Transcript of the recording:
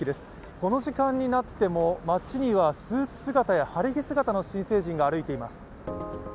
この時間になっても街にはスーツ姿や晴れ着姿の新成人が歩いています。